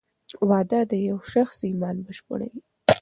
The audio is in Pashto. واده د یو شخص ایمان بشپړوې.